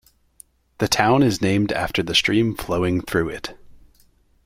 The town is named after the stream flowing through it.